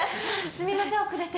すみません遅れて。